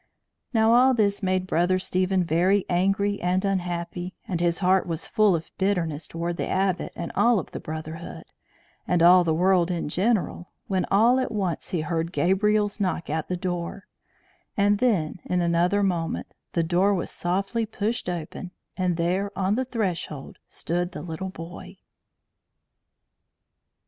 Now all this made Brother Stephen very angry and unhappy, and his heart was full of bitterness toward the Abbot and all of the brotherhood and the world in general, when all at once he heard Gabriel's knock at the door; and then, in another moment, the door was softly pushed open, and there, on the threshold, stood the little boy.